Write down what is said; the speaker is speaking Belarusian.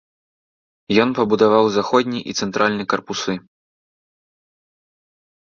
Ён пабудаваў заходні і цэнтральны карпусы.